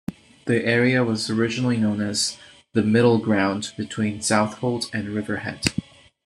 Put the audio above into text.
The area was originally known as the "Middle Ground" between Southold and Riverhead.